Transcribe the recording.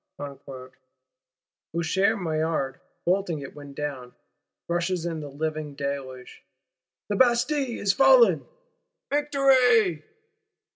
Sinks the drawbridge,—Usher Maillard bolting it when down; rushes in the living deluge: the Bastille is fallen! _Victoire!